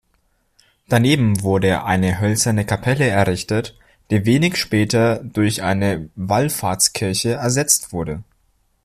Daneben wurde eine hölzerne Kapelle errichtet, die wenig später durch eine Wallfahrtskirche ersetzt wurde.